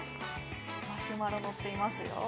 マシュマロのっていますよ